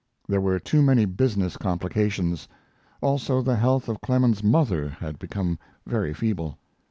There were too many business complications; also the health of Clemens's mother had become very feeble.